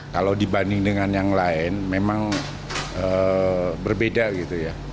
kalau dibanding dengan yang lain memang berbeda gitu ya